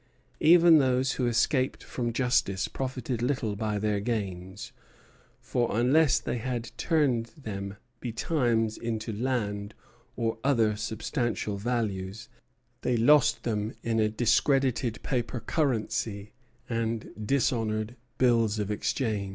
Even those who escaped from justice profited little by their gains, for unless they had turned them betimes into land or other substantial values, they lost them in a discredited paper currency and dishonored bills of exchange.